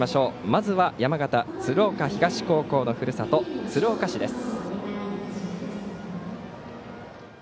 まずは山形・鶴岡東高校のふるさと鶴岡市です。